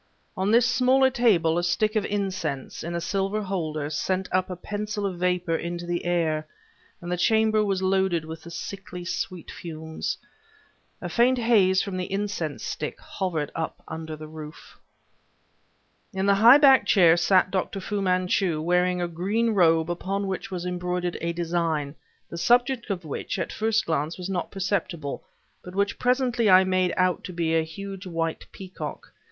On this smaller table, a stick of incense, in a silver holder, sent up a pencil of vapor into the air, and the chamber was loaded with the sickly sweet fumes. A faint haze from the incense stick hovered up under the roof. In the high backed chair sat Dr. Fu Manchu, wearing a green robe upon which was embroidered a design, the subject of which at first glance was not perceptible, but which presently I made out to be a huge white peacock.